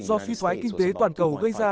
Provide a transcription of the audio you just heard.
do phi thoái kinh tế toàn cầu gây ra